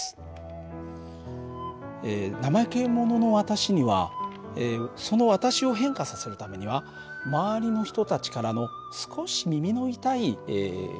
怠け者の私にはその私を変化させるためには周りの人たちからの少し耳の痛い叱咤激励も必要だったんです。